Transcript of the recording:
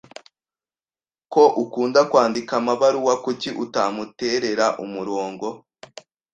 Ko ukunda kwandika amabaruwa, kuki utamuterera umurongo?